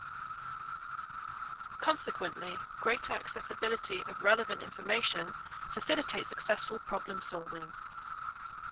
Consequently, greater accessibility of relevant information facilitates successful problem solving.